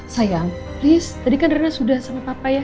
sayang please tadi kan daryna sudah sama papa ya